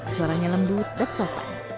suaranya lembut dan sopan